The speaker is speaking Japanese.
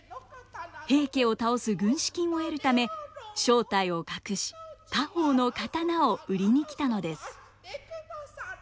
平家を倒す軍資金を得るため正体を隠し家宝の刀を売りに来たのです。